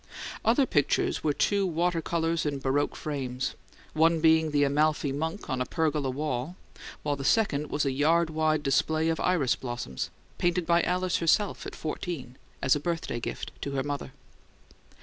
Other pictures were two water colours in baroque frames; one being the Amalfi monk on a pergola wall, while the second was a yard wide display of iris blossoms, painted by Alice herself at fourteen, as a birthday gift to her mother.